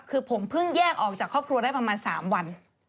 คือผมเพิ่งแยกออกจากครอบครัวได้ประมาณ๓วัน